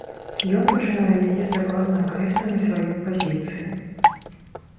Ён пачынае яе з дакладна акрэсленай сваёй пазіцыі.